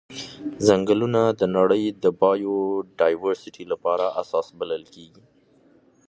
ځنګلونه د نړۍ د بایوډایورسټي لپاره اساس بلل کیږي.